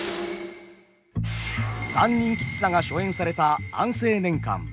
「三人吉三」が初演された安政年間。